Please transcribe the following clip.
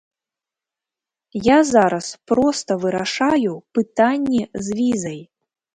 Я зараз проста вырашаю пытанні з візай.